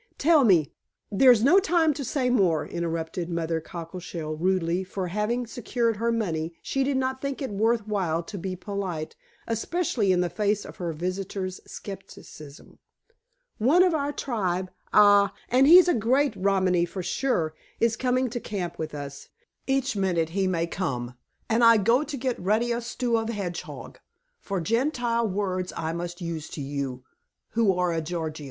Tell me " "There's no time to say more," interrupted Mother Cockleshell rudely, for, having secured her money, she did not think it worth while to be polite, especially in the face of her visitor's scepticism. "One of our tribe aye, and he's a great Romany for sure is coming to camp with us. Each minute he may come, and I go to get ready a stew of hedgehog, for Gentile words I must use to you, who are a Gorgio.